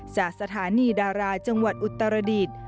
จากสถานีดาราจังหวัดอุตรศาสตร์อดีต